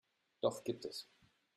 Doch gibt es.